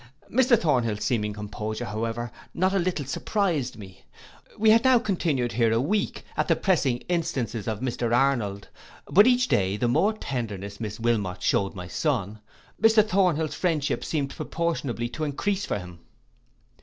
Mr Thornhill's seeming composure, however, not a little surprised me: we had now continued here a week, at the pressing instances of Mr Arnold; but each day the more tenderness Miss Wilmot shewed my son, Mr Thomhill's friendship seemed proportionably to encrease for him.